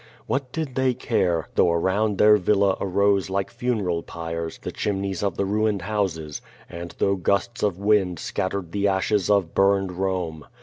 What did they care, though around their villa arose like funeral piles the chimneys of the ruined houses, and though gusts of wind scattered the ashes of burned Rome?